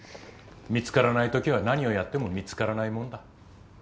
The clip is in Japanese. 見つからない時は何をやっても見つからないもんだ。